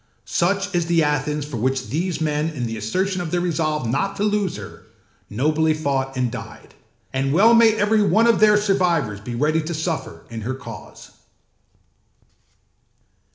Such is the Athens for which these men, in the assertion of their resolve not to lose her, nobly fought and died; and well may every one of their survivors be ready to suffer in her cause.